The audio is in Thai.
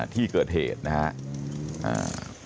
ที่เกิดเหตุนะครับ